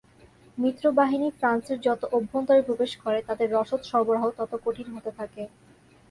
মিত্রবাহিনী ফ্রান্সের যত অভ্যন্তরে প্রবেশ করে তাদের রসদ সরবরাহ তত কঠিন হতে থাকে।